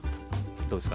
どうですか？